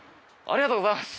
ありがとうございます。